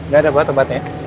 gak ada buat tempatnya